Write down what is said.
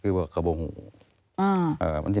พ่อที่รู้ข่าวอยู่บ้าง